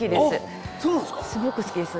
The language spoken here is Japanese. すごく好きです。